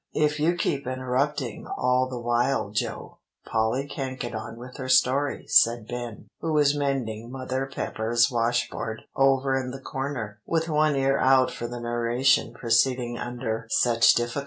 "If you keep interrupting all the while, Joe, Polly can't get on with her story," said Ben, who was mending Mother Pepper's washboard over in the corner, with one ear out for the narration proceeding under such difficulties.